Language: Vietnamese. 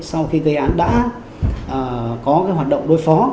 sau khi gây án đã có hoạt động đối phó